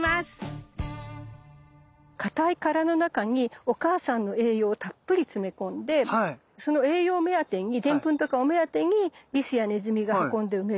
かたい殻の中にお母さんの栄養をたっぷり詰め込んでその栄養目当てにでんぷんとかを目当てにリスやネズミが運んで埋めるの。